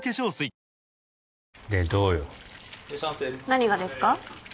何がですか？